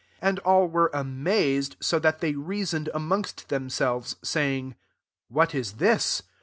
27 And all were amazed, so that they reasoned amongst themselves, saying. " What is this